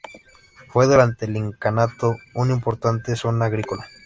Fue durante el incanato un importante zona agrícola.